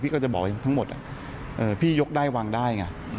ก็จะบอกว่าทั้งหมดพี่ยกได้วางได้ไง